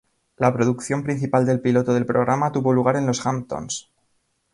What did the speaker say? La producción principal del piloto del programa tuvo lugar en Los Hamptons.